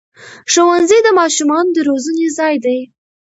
ښوونځی د ماشومانو د روزنې ځای دی